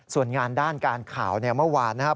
ส่วนงานด้านการข่าวเนี่ยเมื่อวานนะครับ